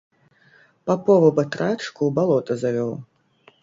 Папову батрачку ў балота завёў.